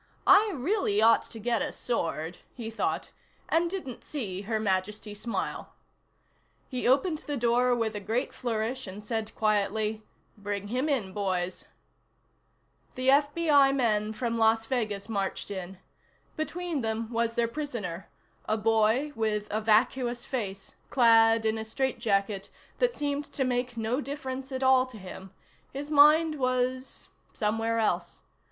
I really ought to get a sword, he thought, and didn't see Her Majesty smile. He opened the door with a great flourish and said quietly: "Bring him in, boys." The FBI men from Las Vegas marched in. Between them was their prisoner, a boy with a vacuous face, clad in a straitjacket that seemed to make no difference at all to him. His mind was somewhere else.